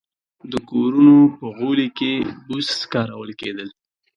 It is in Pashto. د کورونو په غولي کې بوس کارول کېدل